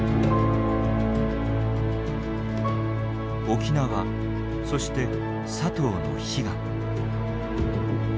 沖縄そして佐藤の悲願。